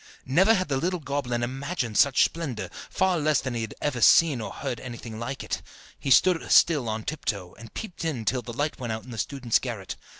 Never had the little goblin imagined such splendour, far less had he ever seen or heard anything like it. He stood still on tiptoe, and peeped in till the light went out in the student's garret.